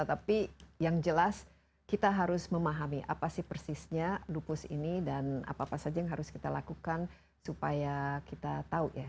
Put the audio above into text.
tapi yang jelas kita harus memahami apa sih persisnya lupus ini dan apa apa saja yang harus kita lakukan supaya kita tahu ya